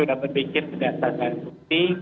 sudah berpikir berdasarkan sikti